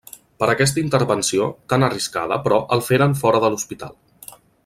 Per aquesta intervenció tan arriscada, però, el feren fora de l'hospital.